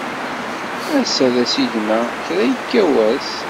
Ass-a d asigna kra yekka wass.